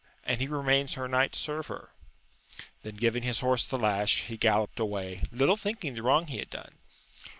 and he remains her knight to serve her ! Then, giving his horse the lash, he galloped away, little thinking the wrong he had done.